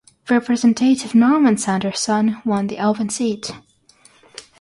Representative Norman Sanderson won the open seat.